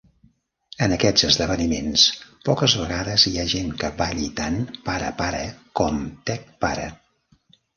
En aquests esdeveniments, poques vegades hi ha gent que balli tant ParaPara com TechPara.